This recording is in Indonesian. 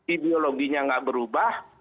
ideologinya tidak berubah